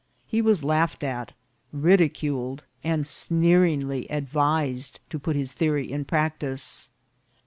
He was laughed at, ridiculed, and eneeringly advisecl to put his theory in practice.